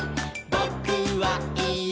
「ぼ・く・は・い・え！